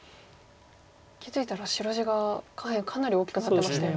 気付いたら白地が下辺かなり大きくなってましたよね。